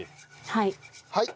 はい。